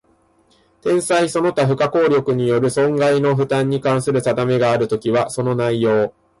天災その他不可抗力による損害の負担に関する定めがあるときは、その内容